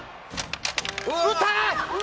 打った！